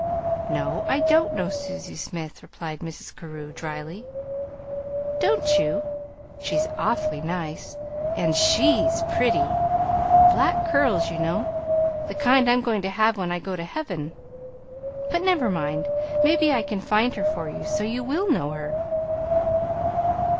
"No, I don't know Susie Smith," replied Mrs. Carew, dryly. "Don't you? She's awfully nice, and SHE'S pretty black curls, you know; the kind I'm going to have when I go to Heaven. But never mind; maybe I can find her for you so you WILL know her.